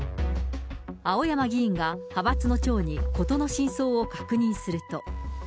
青山議員が、派閥の長に事の真相を確認すると。